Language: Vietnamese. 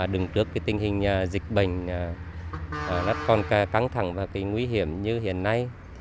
đừng được tình hình dịch bệnh nát con căng thẳng và nguy hiểm như hiện nay